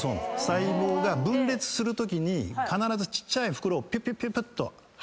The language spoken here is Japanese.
細胞が分裂するときに必ずちっちゃい袋をピュッピュッピュッピュッと吐き出すんです。